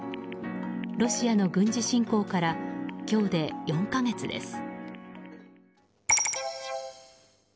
ロシアの軍事侵攻から今日で４か月です。